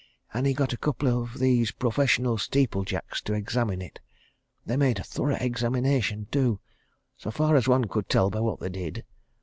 And he got a couple of these professional steeplejacks to examine it. They made a thorough examination, too so far as one could tell by what they did.